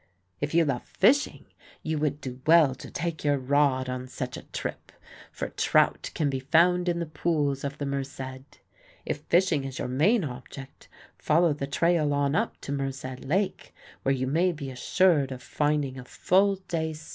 If you love fishing, you would do well to take your rod on such a trip, for trout can be found in the pools of the Merced. If fishing is your main object, follow the trail on up to Merced Lake, where you may be assured of finding a full day's sport.